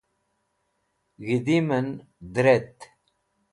g̃hidim'en dret